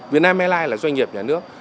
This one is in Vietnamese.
việt nam airlines là doanh nghiệp nhà nước